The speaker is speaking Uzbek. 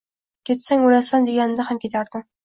Ketsang o’lasan deganida ham ketardim